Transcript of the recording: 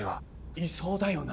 いそうだよな？